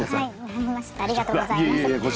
ありがとうございます。